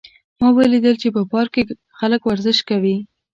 ما ولیدل چې په پارک کې خلک ورزش کوي